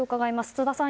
津田さん